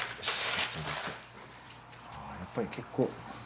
やっぱり結構。